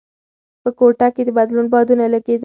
په کوټه کې د بدلون بادونه لګېدل.